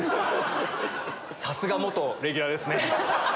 さすが元レギュラーですね。